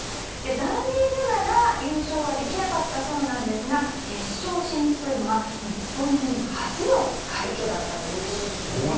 残念ながら、優勝はできなかったそうなんですが決勝進出というのは日本人初の快挙だったということです。